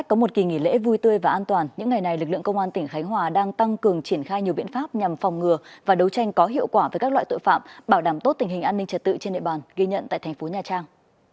có một kỳ nghỉ lễ vui tươi và an toàn những ngày này lực lượng công an tỉnh khánh hòa đang tăng cường triển khai nhiều biện pháp nhằm phòng ngừa và đấu tranh có hiệu quả với các loại tội phạm bảo đảm tốt tình hình an ninh trật tự trên địa bàn ghi nhận tại thành phố nha trang